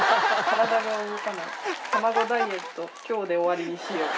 「たまごダイエット今日で終わりにしよう」